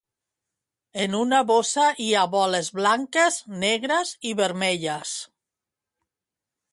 En una bossa hi ha boles blanques, negres i vermelles